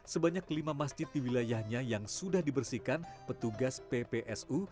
sebanyak lima masjid di wilayahnya yang sudah dibersihkan petugas ppsu